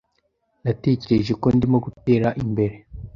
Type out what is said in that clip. Natekereje ko ndimo gutera imbere.